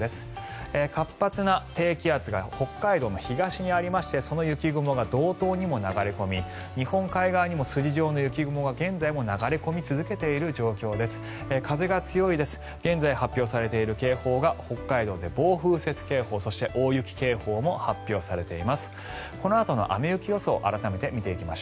活発な低気圧が北海道の東にありましてその雪雲が道東にも流れ込み日本海側にも筋状の雪雲が現在も流れ込み続けている状況です。